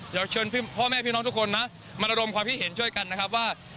เดี๋ยวเชิญพ่อแม่พี่น้องทุกคนนะมาระดมความคิดเห็นช่วยกันนะครับว่า